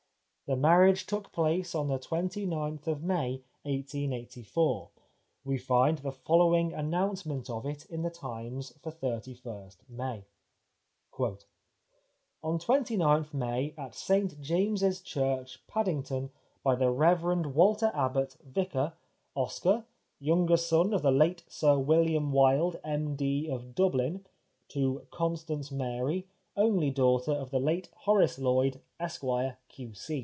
The marriage took place on the 29th of May 1884 ; we find the following announcement of it in The Times for 31st May :" On 29th May, at St James's Church, Paddington, by the Rev. Walter Abbott, Vicatr, Oscar, younger son of the late Sir Wilham Wilde, M.D., of Dublin, to Constance Mary, only daughter of the late Horace Lloyd, Esq. Q.C."